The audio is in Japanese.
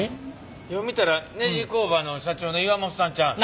よう見たらネジ工場の社長の岩本さんちゃうの。